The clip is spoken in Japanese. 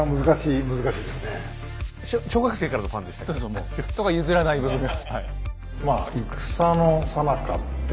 もうそこは譲らない部分が。